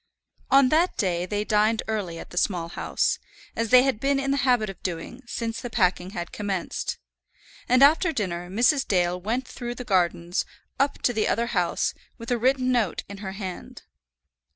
On that day they dined early at the Small House, as they had been in the habit of doing since the packing had commenced. And after dinner Mrs. Dale went through the gardens, up to the other house, with a written note in her hand.